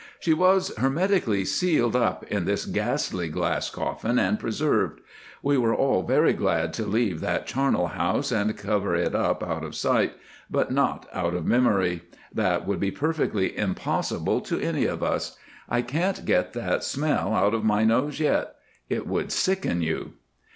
She was hermetically sealed up in this ghastly glass coffin and preserved. We were all very glad to leave that charnel house and cover it up out of sight, but not out of memory. That would be perfectly impossible to any of us. I can't get that smell out of my nose yet. It would sicken you.